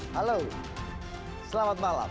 halo selamat malam